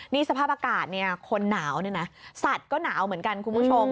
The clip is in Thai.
นี่สภาพอากาศเนี่ยคนหนาวเนี่ยนะสัตว์ก็หนาวเหมือนกันคุณผู้ชม